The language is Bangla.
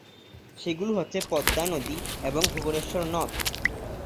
সেগুলো হচ্ছে পদ্মা নদী এবং ভুবনেশ্বর নদ।